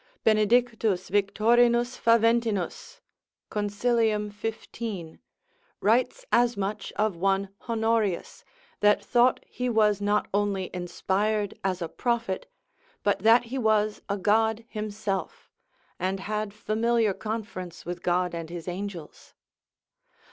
Benedictus Victorinus Faventinus, consil. 15, writes as much of one Honorius, that thought he was not only inspired as a prophet, but that he was a God himself, and had familiar conference with God and his angels.